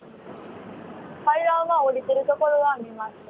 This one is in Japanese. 階段を下りてるところは見ました。